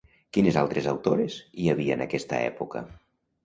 Quines altres autores hi havia en aquesta època?